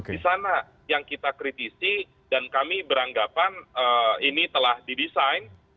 di sana yang kita kritisi dan kami beranggapan ini telah didesain